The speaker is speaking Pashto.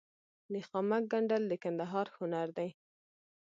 د خامک ګنډل د کندهار هنر دی.